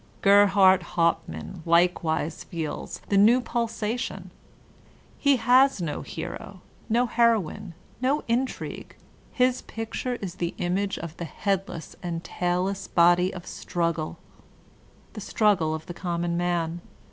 Geiiiart Haupt mann likewise feels the new pulsation: he has no hero, no heroine, no intrigue; his picture is the image of the headless and tailless body of struggle, — the struggle of the common man.